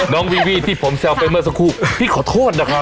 วีวีที่ผมแซวไปเมื่อสักครู่พี่ขอโทษนะครับ